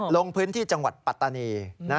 ลงพื้นที่จังหวัดปัตตานี